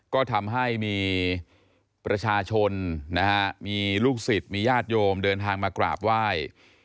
ก็ทำให้มีประชาชนนะฮะมีลูกศิษย์มีญาติโยมเดินทางมากราบไหว้